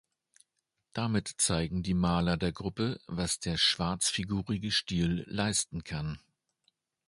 Damit zeigen die Maler der Gruppe, was der schwarzfigurige Stil leisten kann.